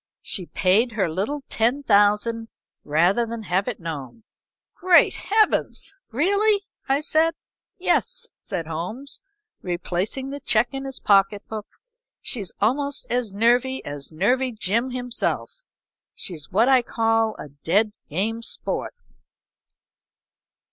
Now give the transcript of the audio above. She paid her little ten thousand rather than have it known." "Great Heavens! really?" I said. "Yes," said Holmes, replacing the check in his pocket book. "She's almost as nervy as Nervy Jim himself. She's what I call a dead game sport."